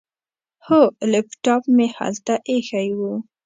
هو، لیپټاپ مې هلته ایښی و.